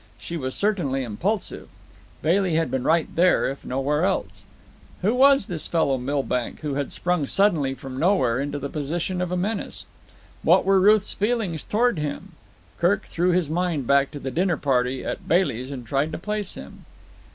She was certainly impulsive. Bailey had been right there, if nowhere else. Who was this fellow Milbank who had sprung suddenly from nowhere into the position of a menace? What were Ruth's feelings toward him? Kirk threw his mind back to the dinner party at Bailey's and tried to place him.